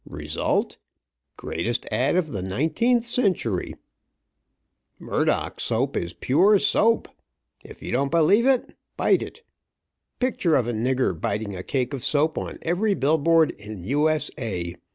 Result? Greatest ad. of the nineteenth century. 'Murdock's Soap is pure soap. If you don't believe it, bite it.' Picture of a nigger biting a cake of soap on every billboard in U. S. A.